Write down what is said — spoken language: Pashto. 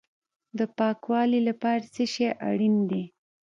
د پاکوالي لپاره څه شی اړین دی؟